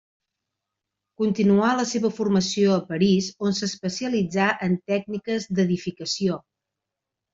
Continuà la seva formació a París, on s'especialitzà en tècniques d'edificació.